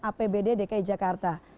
apbd dki jakarta